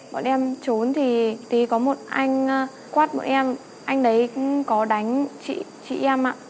bọn em trốn thì có một anh quát bọn em anh đấy có đánh chị em ạ